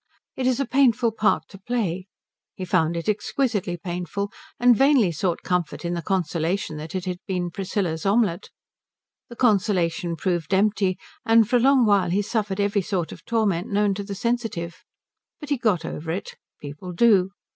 It is a painful part to play. He found it exquisitely painful, and vainly sought comfort in the consolation that it had been Priscilla's omelette. The consolation proved empty, and for a long while he suffered every sort of torment known to the sensitive. But he got over it. People do.